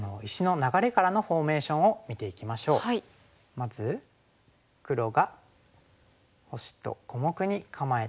まず黒が星と小目に構えたところ。